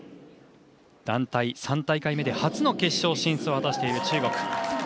団体３大会目で初の決勝進出を果たしている中国。